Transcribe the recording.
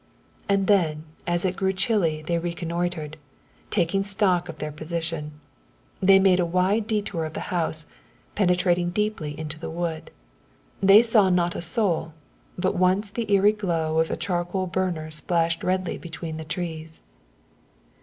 And then as it grew chilly they reconnoitred, taking stock of their position. They made a wide detour of the house, penetrating deeply into the wood. They saw not a soul, but once the eerie glow of a charcoal burner splashed redly between the trees.